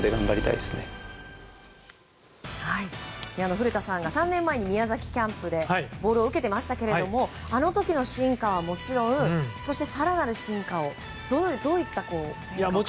古田さんが３年前に宮崎キャンプでボールを受けていましたがあの時の進化はもちろんそして更なる進化をどういったところから感じましたか？